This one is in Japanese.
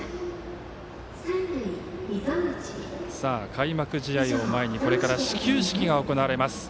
開幕試合を前にこれから始球式が行われます。